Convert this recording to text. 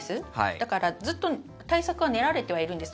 だからずっと対策は練られてはいるんです。